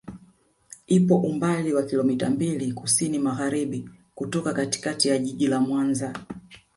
Ipo umbali wa kilomita mbili kusini magharibi kutoka katikati ya jiji la Mwanza